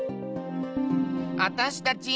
あたしたちぃ